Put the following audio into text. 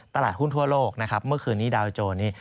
ตลาดหุ้นทั่วโลกนะครับเมื่อคืนนี้ดาวโจรนี้